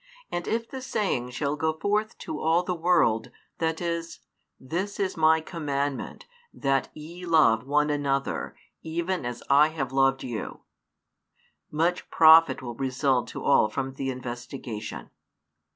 And if the saying shall go forth to all the world, that is, This is My commandment, that ye love one another, even as I have loved you, much profit will result to all from the investigation.